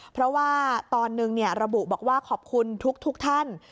เพราะว่าตอนหนึ่งระบุบอกว่าขอบคุณทุกท่าน